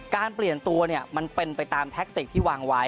การเปลี่ยนตัวมันเป็นไปตามแท็กติกที่วางไว้